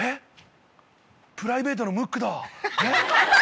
プライベートのムックだ。